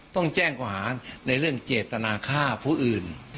ต้องแจ้งกว่าหาในเรื่องเจตนาฆ่าผู้อื่น